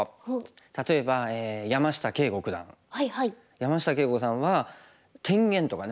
山下敬吾さんは天元とかね。